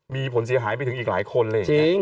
มีผลเสียหายไปถึงอีกหลายคนอะไรอย่างนี้